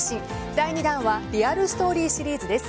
第２弾はリアルストーリーシリーズです。